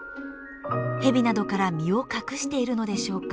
ヘビなどから身を隠しているのでしょうか。